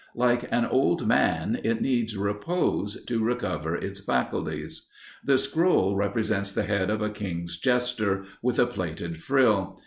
Like an old man, it needs repose to recover its faculties. The scroll represents the head of a king's jester, with a plaited frill.